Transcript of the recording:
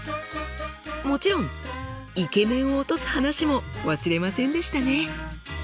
もちろんイケメンを落とす話も忘れませんでしたね！